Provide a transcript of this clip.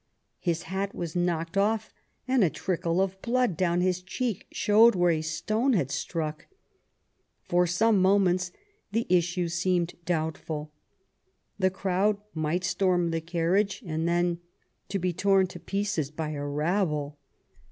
His hat was knocked off, and a trickle of blood down his cheek showed where a stone had struck. For some moments the issue seemed doubtful. The crowd might storm the carriage and then, to be torn to pieces by a rabble!